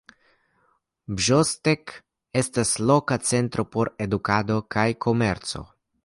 Brzostek estas loka centro por edukado kaj komerco.